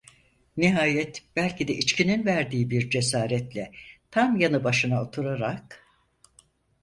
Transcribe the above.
Nihayet, belki de içkinin verdiği bir cesaretle, tam yanı başına oturarak: